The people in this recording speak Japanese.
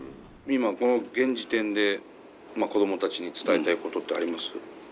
今この現時点で子どもたちに伝えたいことってあります？